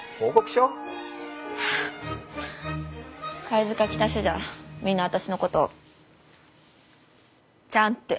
貝塚北署じゃみんな私のことをちゃんって。